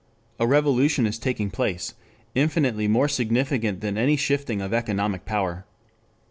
A revolution is taking place, infinitely more significant than any shifting of economic power.